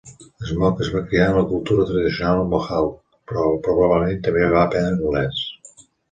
Smoke es va criar en la cultura tradicional Mohawk, però probablement també va aprendre anglès.